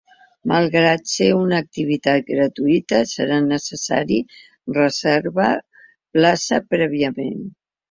Malgrat ser una activitat gratuïta, serà necessari reserva plaça prèviament.